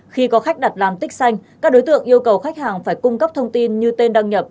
khi có khách đặt làm tích xanh các đối tượng yêu cầu khách hàng phải cung cấp thông tin như tên đăng nhập